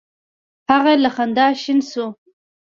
هغه له خندا شین شو: